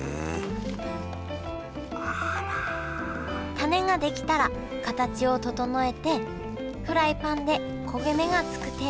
タネが出来たら形を整えてフライパンで焦げ目がつく程度に焼きます